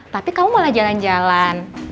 tapi kamu malah jalan jalan